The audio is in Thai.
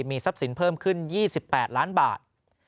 มีทรัพย์สินเพิ่มขึ้น๒๘ล้านบาท